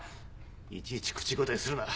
いちいち口答えするな。